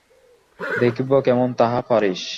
দেখিব কেমন তাহা পারিস্।